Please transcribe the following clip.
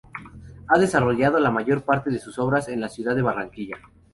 Ha desarrollado la mayor parte de sus obras en la ciudad de Barranquilla.